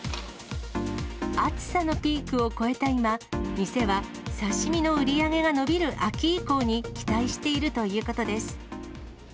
暑さのピークを越えた今、店は刺身の売り上げが伸びる秋以降に期待しているということです。